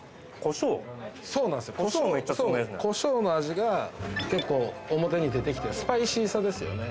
コショウの味が結構表に出てきてスパイシーさですよね